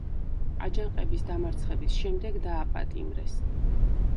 აჯანყების დამარცხების შემდეგ დააპატიმრეს.